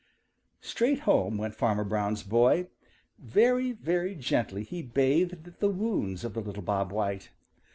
Straight home went Farmer Brown's boy. Very, very gently he bathed the wounds of the little Bob White.